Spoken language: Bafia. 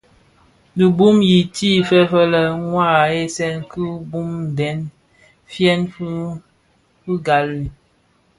Bi gom yi ti feëfëg lè mua aghèsèè ki boo ndem fyeň mü gbali i.